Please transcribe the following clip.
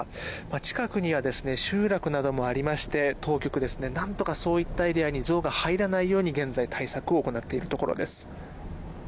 近くには集落などもありまして当局は何とかそういったエリアにゾウが入らないように、現在対策を行っているところです。